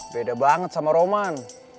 beda banget sama roman